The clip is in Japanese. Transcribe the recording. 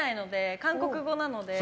韓国語なので。